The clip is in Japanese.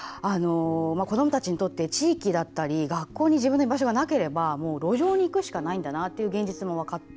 子どもたちにとって地域だったり学校に自分の居場所がなければ路上に行くしかないんだなっていうのが分かって。